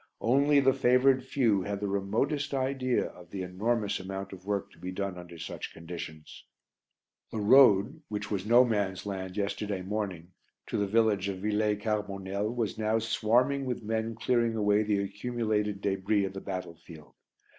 Only the favoured few have the remotest idea of the enormous amount of work to be done under such conditions. The road (which was No Man's Land yesterday morning) to the village of Villers Carbonel was now swarming with men clearing away the accumulated débris of the battlefield.